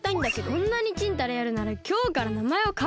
そんなにチンタラやるならきょうからなまえをかえよう。